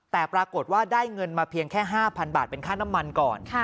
แต่ปรากฏว่าได้เงินมาเพียงแค่๕๐๐บาทเป็นค่าน้ำมันก่อน